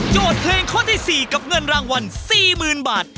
เพลงข้อที่๔กับเงินรางวัล๔๐๐๐บาท